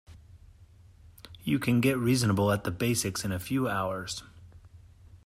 You can get reasonable at the basics in a few hours.